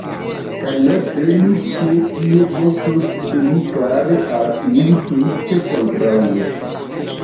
Kaj ne kredu, ke tio kostus pli kare al ili: tute kontraŭe!